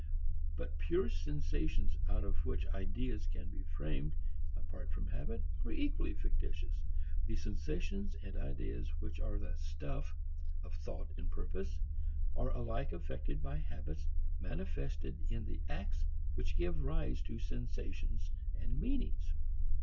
But pure sensations out of which ideas can be framed apart from habit are equally fictitious. The sensations and ideas which are the "stuff" of thought and purpose are alike affected by habits manifested in the acts which give rise to sensations and meanings.